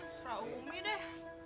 serau umi deh